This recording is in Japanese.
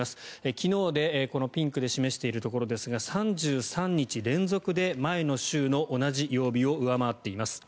昨日でピンクで示しているところですが３３日連続で前の週の同じ曜日を上回っています。